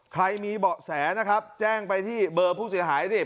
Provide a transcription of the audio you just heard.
ใครมีเบาะแสนะครับแจ้งไปที่เบอร์ผู้เสียหายดิ